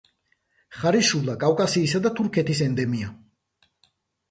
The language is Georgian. ხარისშუბლა კავკასიისა და თურქეთის ენდემია.